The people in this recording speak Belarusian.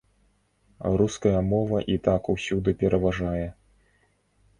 Руская мова і так усюды пераважае.